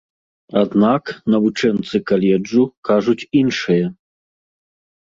Аднак навучэнцы каледжу кажуць іншае.